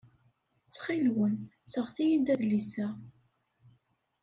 Ttxil-wen, sɣet-iyi-d adlis-a.